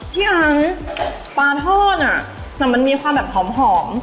อังปลาทอดมันมีความแบบหอม